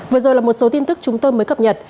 vừa rồi là một số tin tức chúng tôi mới cập nhật